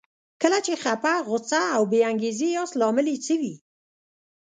کله چې خپه، غوسه او بې انګېزې ياست لامل يې څه وي؟